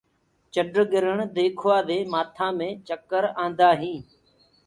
چنڊگِرڻ ديکوآ دي مآٿآ مي چڪر آندآ هينٚ۔